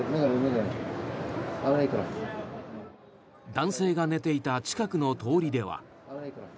男性が寝ていた近くの通りでは。